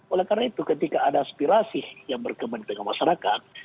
oleh karena itu ketika ada aspirasi yang berkembang dengan masyarakat